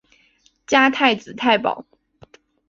加太子太保。